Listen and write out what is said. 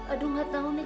aduh gak tau nih